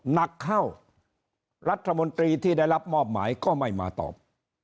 หนักเข้ารัฐมนตรีที่ได้รับมอบหมายก็ไม่มาตอบ